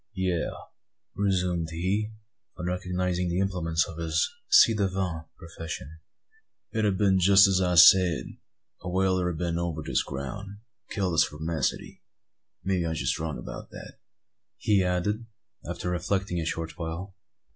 "Yes," resumed he, on recognising the implements of his ci devant profession, "it ha' been jest as I said. A whaler 'a been over this ground, and killed the spermacety. Maybe I'm wrong about that," he added, after reflecting a short while.